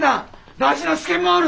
大事な試験もある。